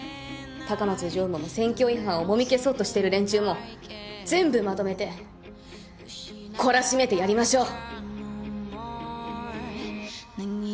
高松常務も選挙違反をもみ消そうとしている連中も全部まとめて懲らしめてやりましょう。